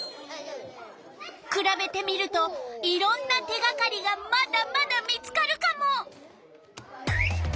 くらべてみるといろんな手がかりがまだまだ見つかるカモ！